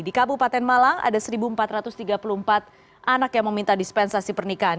di kabupaten malang ada satu empat ratus tiga puluh empat anak yang meminta dispensasi pernikahan